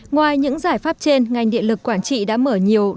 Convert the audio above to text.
ngoài những giải pháp trên ngành điện lực quản trị đã mở nhiều hệ thống